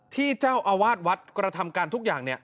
ที่เจ้าอาวาสวัดกระทำการทุกอย่าง